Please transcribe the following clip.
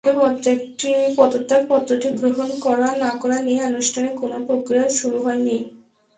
তবে পদত্যাগপত্রটি গ্রহণ করা না-করা নিয়ে আনুষ্ঠানিক কোনো প্রক্রিয়া শুরু হয়নি।